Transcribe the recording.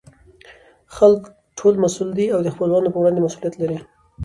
خلکو ټول مسئوول دي او دخپلوانو په وړاندې مسئولیت لري.